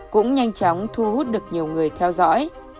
cũng nhanh chóng thu hút được nhiều người theo dõi